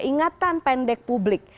ingatan pendek publik